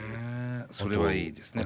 それはいいですね。